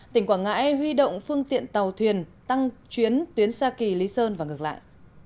tỉnh quảng ngãi huy động phương tiện tàu thuyền tăng chuyến tuyến sa kỳ lý sơn và ngược lại